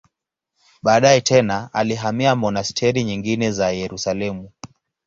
Baadaye tena alihamia monasteri nyingine za Yerusalemu.